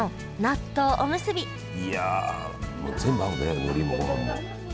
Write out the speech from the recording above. いやもう全部合うねのりもごはんも。